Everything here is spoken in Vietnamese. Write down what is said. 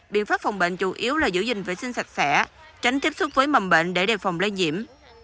biện pháp phòng bệnh chủ yếu là giữ gìn vệ sinh sạch sẽ tránh tiếp xúc với mầm bệnh để đề phòng lây nhiễm